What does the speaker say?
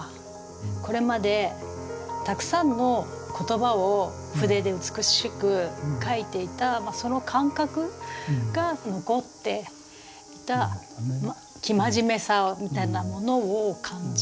これまでたくさんの言葉を筆で美しく書いていたその感覚が残っていた生真面目さみたいなものを感じます。